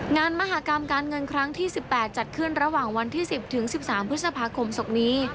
งานมหากรรมการเงินครั้งที่๑๘จัดขึ้นระหว่างวันที่๑๐ถึง๑๓พฤษภาคมศพนี้